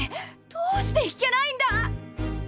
どうして弾けないんだ！？